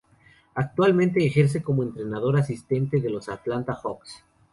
Actualmente ejerce como entrenador asistente de los Atlanta Hawks.